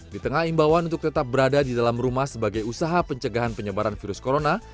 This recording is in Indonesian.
di tengah imbauan untuk tetap berada di dalam rumah sebagai usaha pencegahan penyebaran virus corona